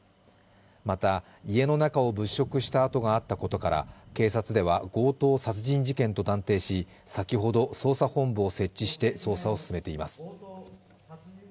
また家の中を物色した跡があったことから、警察では強盗殺人事件と断定し先ほど捜査本部を設置して捜査を進めています。